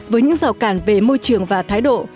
với những rào cản về môi trường và thái độ